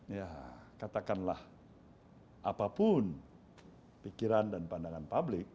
ya katakanlah apapun pikiran dan pandangan publik